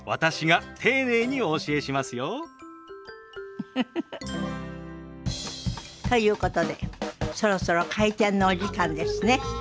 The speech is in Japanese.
ウフフフ。ということでそろそろ開店のお時間ですね。